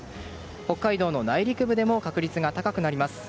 北海道の内陸部でも確率が高くなります。